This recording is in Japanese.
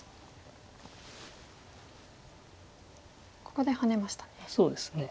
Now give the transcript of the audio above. ここでハネましたね。